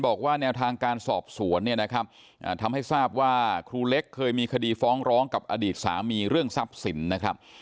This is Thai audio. บอกว่าแนวทางการสอบสวนทำให้ทราบว่าครูเร็กเคยมีคดีฟ้องร้องกับอดีตสามีเรื่องทรัพย์ศิลป์